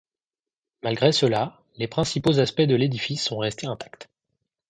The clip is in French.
Malgré cela, les principaux aspects de l'édifice sont restés intact.